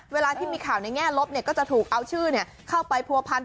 เวลาที่มีข่าวในแง่ลบก็จะถูกเอาชื่อเข้าไปผัวพันธ